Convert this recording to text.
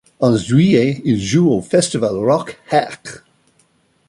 En juillet, ils jouent au festival Rock Herk.